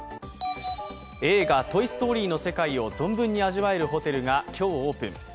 映画「トイ・ストーリー」の世界を存分に味わえるホテルが今日、オープン。